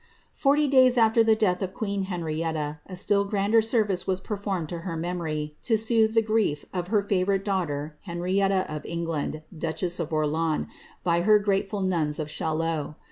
'orty days after the death of queen Henrietta, a still grander sen'ice performed to her memory, to soothe the grief of her favourite ^'hter, Henrietta of England, duchess of Orleans, by her grateful nuns 'haillot.